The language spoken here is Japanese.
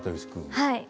はい。